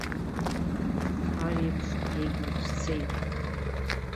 Аԥареиԥш иагьуцәцеит.